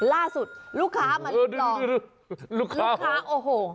ล่าสุดลูกค้ามาติดต่อลูกค้าลูกค้าโอ้โห